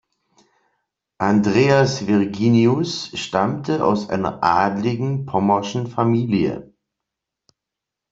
Andreas Virginius stammte aus einer adligen pommerschen Familie.